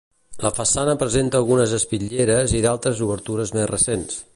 La façana presenta algunes espitlleres i d'altres obertures més recents.